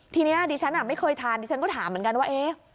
ทีนี้ดิฉันไม่เคยทานดิฉันก็ถามเหมือนกันว่าเอ๊ะ